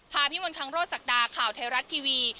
พาพี่มนต์คังโรสศักดาข่าวไทยรัฐทีวี